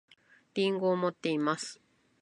りんごを持っています